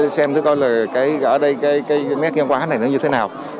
xem thử coi là ở đây cái nét nhân quán này nó như thế nào